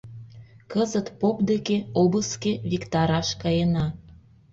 Кызыт поп деке обыске виктараш каена.